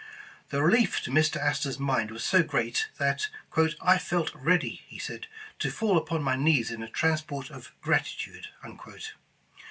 The relief to Mr. Astor 's mind was so great, that — "I felt ready," he said, ''to fall upon my knees in a transport of gratitude."